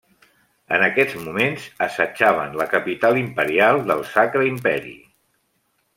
En aquests moments assetjaven la capital imperial del Sacre Imperi.